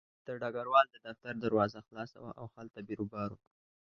د ډګروال د دفتر دروازه خلاصه وه او هلته بیروبار و